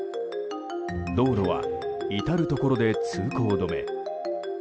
道路は至るところで通行止め。